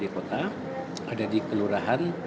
di kota ada di kelurahan